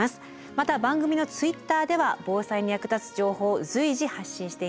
また番組のＴｗｉｔｔｅｒでは防災に役立つ情報を随時発信しています。